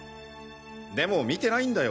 でも見てないんだよ